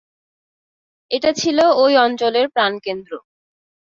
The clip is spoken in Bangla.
এটা ছিল ঐ অঞ্চলের প্রাণকেন্দ্র।